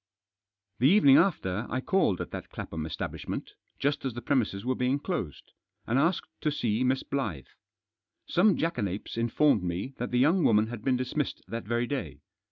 The evening after I called at that Clapham estab lishment, just as the premises were being closed, and asked to see Miss Blyth. Some jackanapes informed me that the young woman had been dismissed that very day.